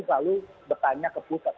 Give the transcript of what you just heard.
lalu bertanya ke pusat